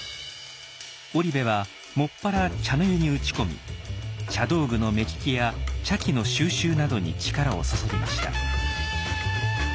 織部は専ら茶の湯に打ち込み茶道具の目利きや茶器の収集などに力を注ぎました。